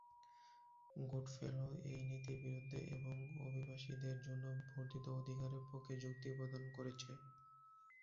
Goodfellow এই নীতির বিরুদ্ধে এবং অভিবাসীদের জন্য বর্ধিত অধিকারের পক্ষে যুক্তি প্রদান করেছে।